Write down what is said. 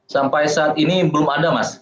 sampai saat ini belum ada mas